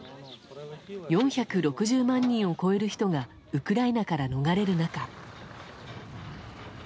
４６０万人を超える人がウクライナから逃れる中。